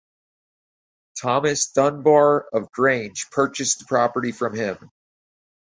Thomas Dunbar of Grange purchased the property from him.